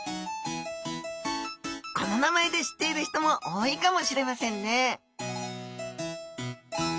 この名前で知っている人も多いかもしれませんね